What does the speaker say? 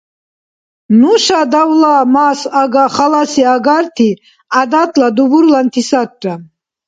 Нуша давла-мас халаси агарти гӀядатла дубурланти сарра…